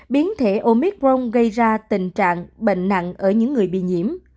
biến thể omicron gây ra tình trạng bệnh nặng ở những người bị nhiễm